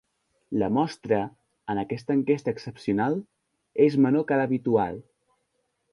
La mostra, en aquesta enquesta excepcional, és menor que l’habitual.